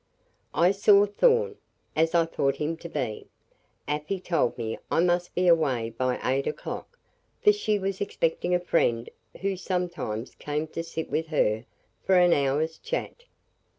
"I saw Thorn as I thought him to be. Afy told me I must be away by eight o'clock, for she was expecting a friend who sometimes came to sit with her for an hour's chat.